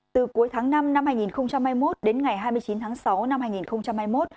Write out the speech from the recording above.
từ cuối tháng năm năm hai nghìn hai mươi một đến ngày hai mươi chín tháng sáu năm hai nghìn hai mươi một